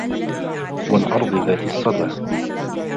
والأرض ذات الصدع